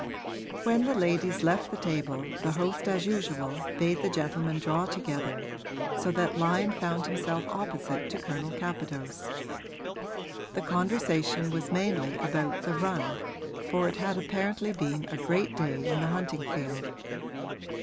When the ladies left the table the host as usual bade the gentlemen draw together, so that Lyon found himself opposite to Colonel Capadose. The conversation was mainly about the 'run,' for it had apparently been a great day in the hunting field.